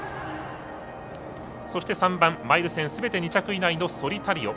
そして３番、マイル戦すべて２着以内のソリタリオ。